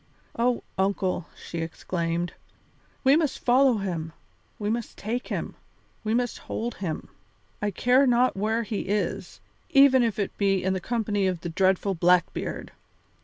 "Oh, uncle," she exclaimed, "we must follow him, we must take him, we must hold him! I care not where he is, even if it be in the company of the dreadful Blackbeard!